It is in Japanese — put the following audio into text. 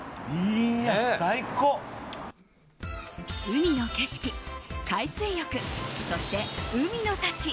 海の景色、海水浴そして海の幸。